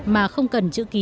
mà không cần chữ ký